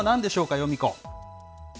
ヨミ子。